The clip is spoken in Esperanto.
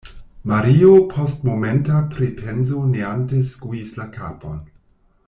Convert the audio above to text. Mario post momenta pripenso neante skuis la kapon.